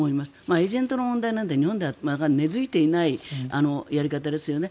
エージェントの問題は日本では根付いていないやり方ですよね。